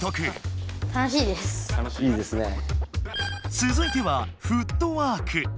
つづいては「フットワーク」。